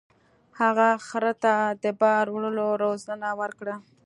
هغه خر ته د بار وړلو روزنه ورکړه.